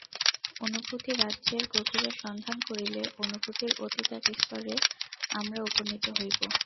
অনুভূতি-রাজ্যের গভীরে সন্ধান করিলে অনুভূতির অতীত এক স্তরে আমরা উপনীত হইব।